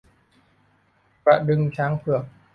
กระดึงช้างเผือก